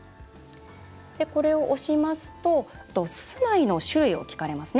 これを押しますと住まいの種類を聞かれますね。